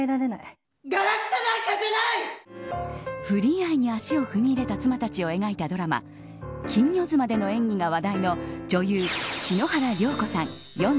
不倫愛に足を踏み入れた妻たちを描いたドラマ金魚妻での演技が話題の女優、篠原涼子さん